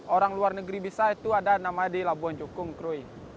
orang luar negeri bisa itu ada namanya di labuan jukung krui